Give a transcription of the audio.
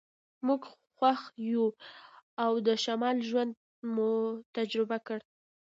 موږ خوښ یو چې د شمال ژوند مو تجربه کړ